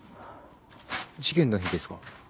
事件の日ですか？